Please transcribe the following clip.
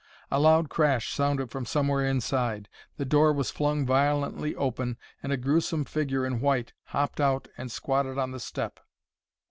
A loud crash sounded from somewhere inside, the door was flung violently open, and a gruesome figure in white hopped out and squatted on the step.